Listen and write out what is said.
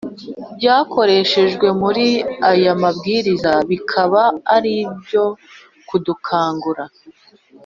byakoreshejwe muri aya Mabwiriza bikaba ari ibyo kudukangura